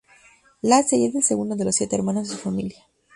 Lacey es el segundo de los siete hermanos de su familia.